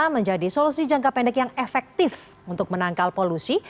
menjadi solusi jangka pendek yang efektif untuk menangkal polusi